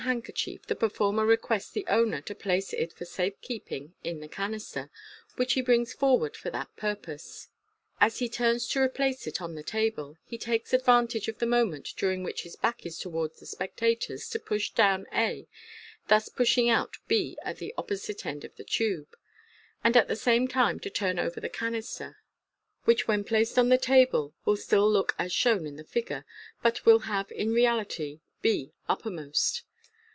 handkerchief, the performer requests the owner to place it for safe keeping in the canister, which he brings forward for that purpose. As he turns to replace it on the table, he takes advantage of the moment during which his back is towards the spec tators to push down a (thus pushing out b at the opposite end of the tube), and at the same time to turn over the canister, which, when 246 MODERN MAGIC. placed on the table, will still look as shown in the figure, but will have, in reality, b uppermost.